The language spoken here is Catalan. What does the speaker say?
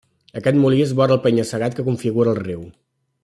Aquest molí és vora el penya-segat que configura el riu.